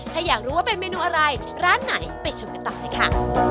ถ้าอยากรู้ว่าเป็นเมนูอะไรร้านไหนไปชมกันต่อเลยค่ะ